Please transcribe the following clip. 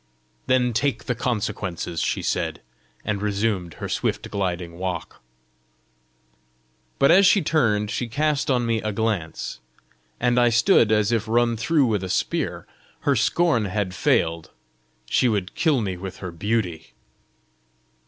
"Then take the consequences," she said, and resumed her swift gliding walk. But as she turned she cast on me a glance, and I stood as if run through with a spear. Her scorn had failed: she would kill me with her beauty!